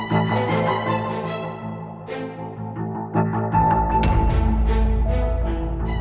jangan dengar dengar oke